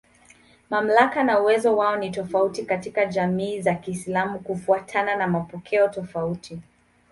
Mamlaka na uwezo wao ni tofauti katika jamii za Kiislamu kufuatana na mapokeo tofauti.